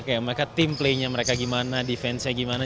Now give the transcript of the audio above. kayak mereka team play nya mereka gimana defense nya gimana